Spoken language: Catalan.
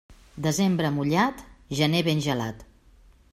Desembre mullat, gener ben gelat.